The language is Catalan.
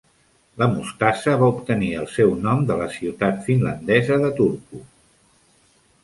La mostassa va obtenir el seu nom de la ciutat finlandesa de Turku.